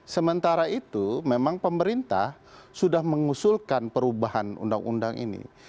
sementara itu memang pemerintah sudah mengusulkan perubahan undang undang ini